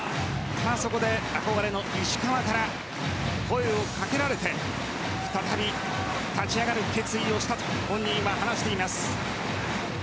そこで石川から声をかけられて再び立ち上がる決意をしたと本人は話しています。